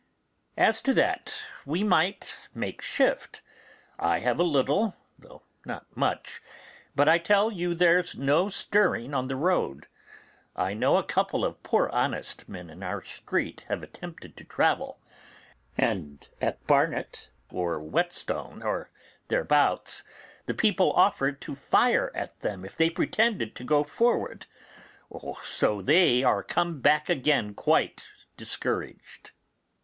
As to that, we might make shift, I have a little, though not much; but I tell you there's no stirring on the road. I know a couple of poor honest men in our street have attempted to travel, and at Barnet, or Whetstone, or thereabouts, the people offered to fire at them if they pretended to go forward, so they are come back again quite discouraged.